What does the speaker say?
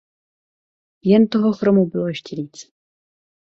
Jen toho chromu bylo ještě víc.